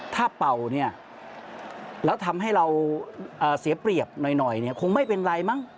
ถ้าเป่าเนี่ยแล้วทำให้เราเสียเปรียบหน่อยเนี่ยคงไม่เป็นไรมั้ง